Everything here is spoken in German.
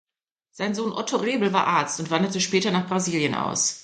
Sein Sohn Otto Rebel war Arzt und wanderte später nach Brasilien aus.